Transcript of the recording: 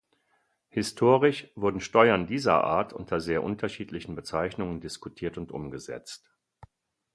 Historisch wurden Steuern dieser Art unter sehr unterschiedlichen Bezeichnungen diskutiert und umgesetzt.